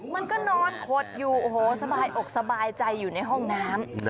มันก็นอนขดอยู่โอ้โหสบายอกสบายใจอยู่ในห้องน้ำ